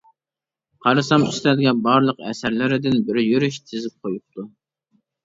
قارىسام ئۈستەلگە بارلىق ئەسەرلىرىدىن بىر يۈرۈش تىزىپ قويۇپتۇ.